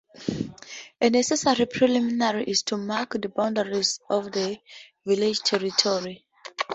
A necessary preliminary is to mark the boundaries of the village territory.